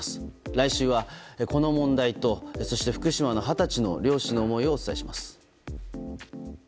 来週はこの問題と、そして福島の二十歳の漁師の思いをお伝えします。